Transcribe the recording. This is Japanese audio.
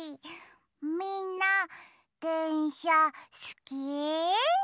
みんなでんしゃすき？